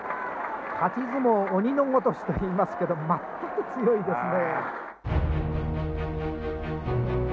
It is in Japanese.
勝ち相撲鬼のごとしと言いますけども全く強いですね。